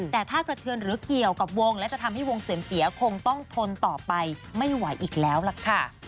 แต่ถ้ากระเทือนหรือเกี่ยวกับวงและจะทำให้วงเสื่อมเสียคงต้องทนต่อไปไม่ไหวอีกแล้วล่ะค่ะ